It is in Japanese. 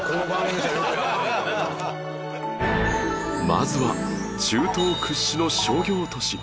まずは中東屈指の商業都市